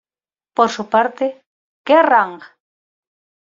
Por su parte, "Kerrang!